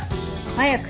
早く！